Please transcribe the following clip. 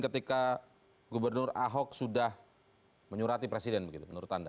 ketika gubernur ahok sudah menyurati presiden begitu menurut anda